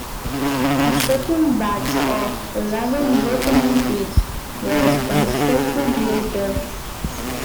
A second batch of eleven locomotives was constructed later.